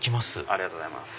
ありがとうございます。